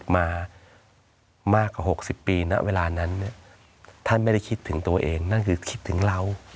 มากกว่าหกสิบปีนั้นเวลานั้นถ้าไม่ได้คิดถึงตัวเองนั่นคือคิดถึงเรา